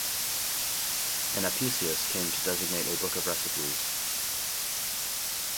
An "Apicius" came to designate a book of recipes.